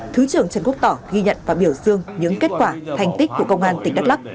thứ trưởng trần quốc tỏ ghi nhận và biểu dương những kết quả thành tích của công an tỉnh đắk lắc